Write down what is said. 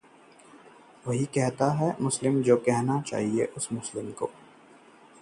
वे उसे समझदार मानते हैं।